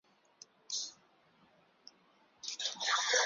伊西多鲁少校镇是巴西阿拉戈斯州的一个市镇。